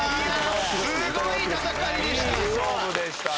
すごい戦いでした。